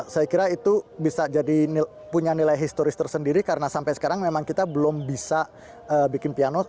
saya kira itu bisa jadi punya nilai historis tersendiri karena sampai sekarang memang kita belum bisa bikin piano